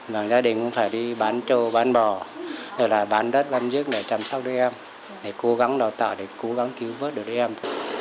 và gia đình cũng phải đi bán trồ bán bò rồi là bán đất bán dứt để chăm sóc đứa em để cố gắng đào tạo để cố gắng cứu vớt đứa em